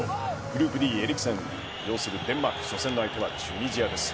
グループＤエリクセン擁するデンマーク初戦の相手はチュニジアです。